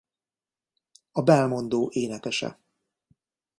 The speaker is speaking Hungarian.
A Belmondo énekese.